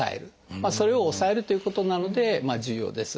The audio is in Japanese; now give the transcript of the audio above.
それを抑えるということなので重要です。